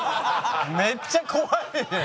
めっちゃ怖いね。